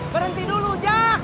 berenti dulu jak